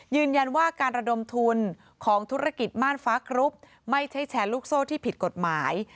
ยืนยันว่าการระดมทุนของธุรกิจม่านฟ้าครุปไม่ใช่แชร์ลูกโซ่ที่ผิดกฎหมาย